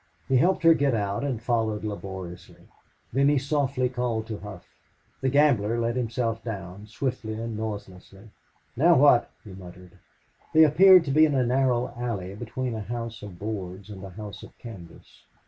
He helped her get out, and followed laboriously. Then he softly called to Hough. The gambler let himself down swiftly and noiselessly. "Now what?" he muttered. They appeared to be in a narrow alley between a house of boards and a house of canvas.